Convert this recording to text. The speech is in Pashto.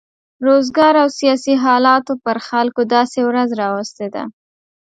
روزګار او سیاسي حالاتو پر خلکو داسې ورځ راوستې ده.